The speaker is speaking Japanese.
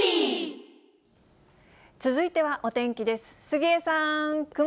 続いてはお天気です。